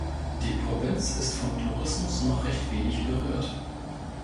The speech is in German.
Die Provinz ist vom Tourismus noch recht wenig berührt.